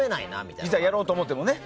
いざ、やろうと思ってもね。